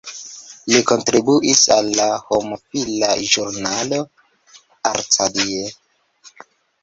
Li kontribuis al la homofila ĵurnalo "Arcadie".